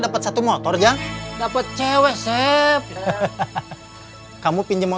apaan itu kawan deda